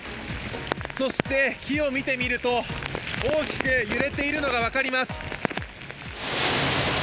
そして木を見てみると大きく揺れているのが分かります。